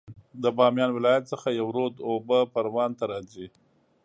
د بامیان ولایت څخه یو رود اوبه پروان ته راځي